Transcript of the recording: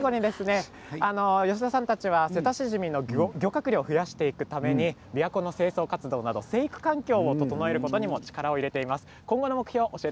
吉田さんたちはセタシジミの漁獲量を増やしていくためにびわ湖の清掃活動など生育環境を整えることにも力を入れています。